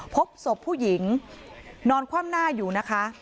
พบศพผู้หญิงนอนคว่ำหน้าอยู่นะคะ